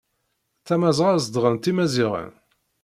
Tamazɣa zedɣen-tt imaziɣen.